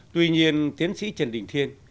tuy nhiên tiến sĩ trần đình thiên